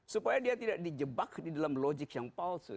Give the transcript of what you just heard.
supaya dia tidak dijebak di dalam logik yang palsu